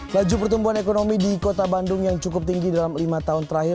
laju pertumbuhan ekonomi di kota bandung yang cukup tinggi dalam lima tahun terakhir